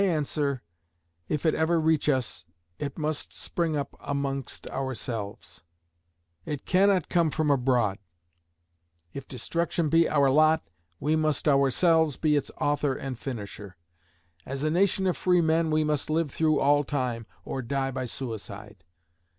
I answer, if it ever reach us, it must spring up amongst ourselves. It cannot come from abroad. If destruction be our lot, we must ourselves be its author and finisher. As a nation of free men, we must live through all time, or die by suicide.